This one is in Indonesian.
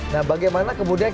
nah bagaimana kemudian